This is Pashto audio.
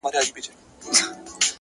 مهرباني د انسان تر ټولو لویه ژبه ده؛